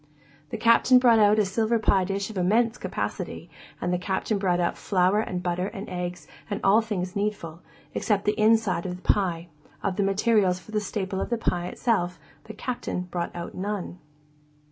The Captain brought out a silver pie dish of immense capacity, and the Captain brought out flour and butter and eggs and all things needful, except the inside of the pie; of materials for the staple of the pie itself, the Captain brought out none.